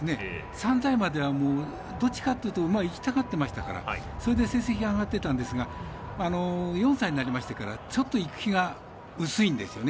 ３歳馬ではどっちかっていうと馬がいきたがってましたからそれで成績が上がってたんですが４歳になりましてからちょっといく気が薄いんですよね。